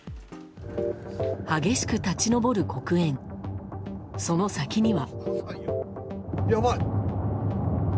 激しく立ち上る黒煙その先には。